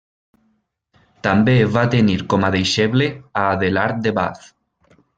També va tenir com a deixeble a Adelard de Bath.